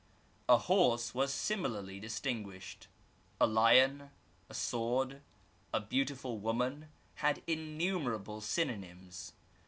A horse wacl similarly distinguished; a lion, a sword, a beautiftil woman had innumerable synonyms.